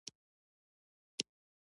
مکتبونه باید فعال شي